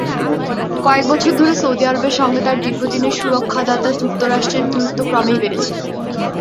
কয়েক বছর ধরে সৌদি আরবের সঙ্গে তার দীর্ঘদিনের সুরক্ষাদাতা যুক্তরাষ্ট্রের দূরত্ব ক্রমেই বেড়েছে।